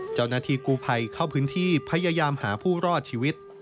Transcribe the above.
เจ้าหน้าที่กูภัยเข้าพื้นที่พยายามหาผู้รอดชีวิต